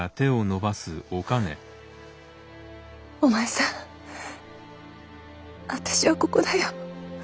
・お前さん私はここだよ。